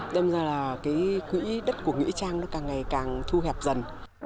đâm ra là cái quỹ đất của nghĩa trang nó càng ngày càng thu hẹp dần